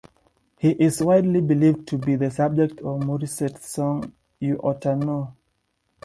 He is widely believed to be the subject of Morissette's song You Oughta Know.